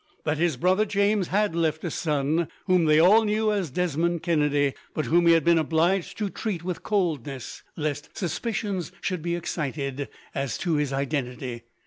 That his brother James had left a son, whom they all knew as Desmond Kennedy, but whom he had been obliged to treat with coldness, lest suspicions should be excited as to his identity.